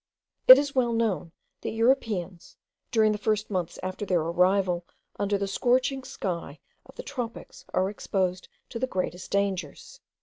It is well known, that Europeans, during the first months after their arrival under the scorching sky of the tropics, are exposed to the greatest dangers.